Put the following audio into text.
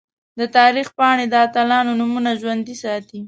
د تاریخ پاڼې د اتلانو نومونه ژوندۍ ساتي.